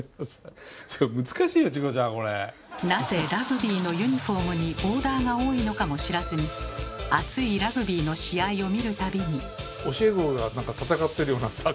なぜラグビーのユニフォームにボーダーが多いのかも知らずに熱いラグビーの試合を見る度に。